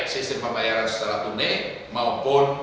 sistem pembayaran secara kuning maupun